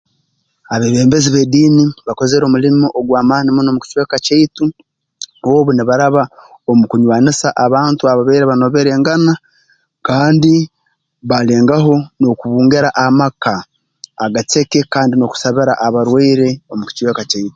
Abeebembezi b'ediini bakozere omulimo ogw'amaani muno mu kicweka kyaitu obu nibaraba omu kunywanisa abantu ababaire banoberengana kandi baalengaho n'okubungira amaka agaceke kandi n'okusabira abarwaire omu kicweka kyai